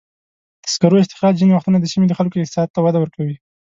د سکرو استخراج ځینې وختونه د سیمې د خلکو اقتصاد ته وده ورکوي.